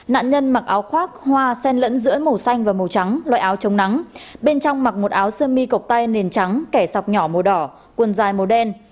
nạn nhân mặc áo khoác hoa sen lẫn giữa màu xanh và màu trắng loại áo chống nắng bên trong mặc một áo sơn mi cộc tay nền trắng kẻ sọc nhỏ màu đỏ quần dài màu đen